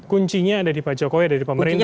kuncinya ada di pak jokowi ada di pemerintah